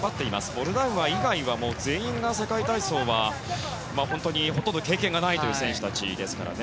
モルダウアー以外は全員が世界体操はほとんど経験がないという選手たちですからね。